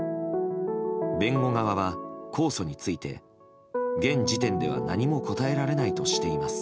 弁護側は控訴について現時点では何も答えられないとしています。